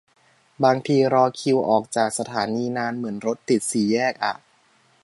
บางทีรอคิวออกจากสถานีนานเหมือนรถติดสี่แยกอะ